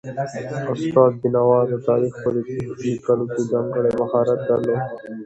استاد بینوا د تاریخ په لیکلو کې ځانګړی مهارت درلود